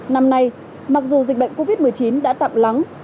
năm nay mặc dù dịch bệnh covid một mươi chín đã tạm lắng